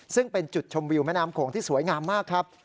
ซึ่งเป็นจุดชมวิวแม่น้ำโขงที่สวยงามมากครับ